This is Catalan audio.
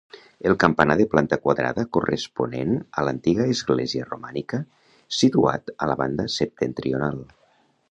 El campanar de planta quadrada corresponent a l'antiga església romànica, situat a la banda septentrional.